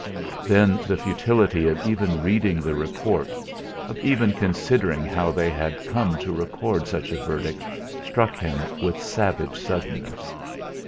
Then the futility of even reading the report, of even considering how they had come to record such a verdict struck him with savage suddenness.